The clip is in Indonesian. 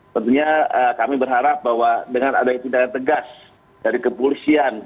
tentunya kami berharap bahwa dengan adanya tindakan tegas dari kepolisian